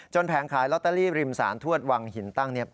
แผงขายลอตเตอรี่ริมสารทวดวังหินตั้งเนี่ย